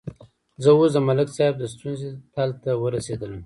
زه اوس د ملک صاحب د ستونزې تل ته ورسېدلم.